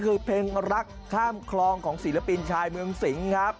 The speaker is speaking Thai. คือเพลงรักข้ามคลองของศิลปินชายเมืองสิงครับ